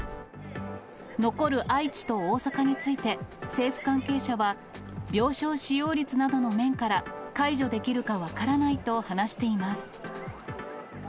残る愛知と大阪について、政府関係者は、病床使用率などの面から、解除できるか分からないと話しています。